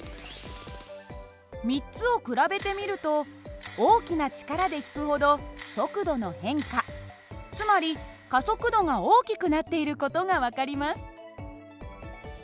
３つを比べてみると大きな力で引くほど速度の変化つまり加速度が大きくなっている事が分かります。